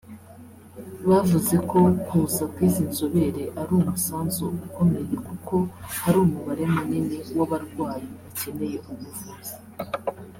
bavuze ko kuza kw’izi nzobere ari umusanzu ukomeye kuko hari umubare munini w’abarwayi bakeneye ubuvuzi